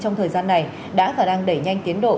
trong thời gian này đã và đang đẩy nhanh tiến độ